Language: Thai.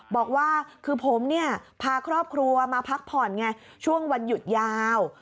บอกว่าคือผมเนี่ยพาครอบครัวมาพักผ่อนไงช่วงวันหยุดยาว